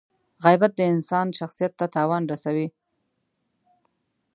• غیبت د انسان شخصیت ته تاوان رسوي.